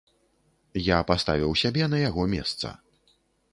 Я паставіў сябе на яго месца.